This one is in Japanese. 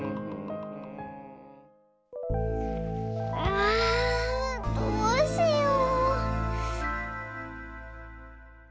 あどうしよう。